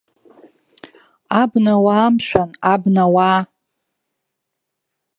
Абнауаа, мшәан, абнауаа!